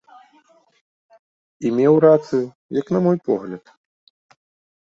І меў рацыю, як на мой погляд.